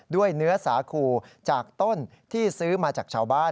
ด้วยเนื้อสาคูจากต้นที่ซื้อมาจากชาวบ้าน